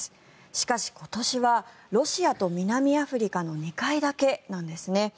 しかし、今年はロシアと南アフリカの２回だけなんですね。